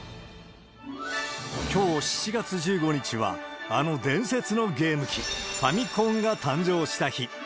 きょう７月１５日は、あの伝説のゲーム機、ファミコンが誕生した日。